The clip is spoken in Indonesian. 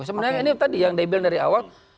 sebenarnya ini tadi yang daybel dari awal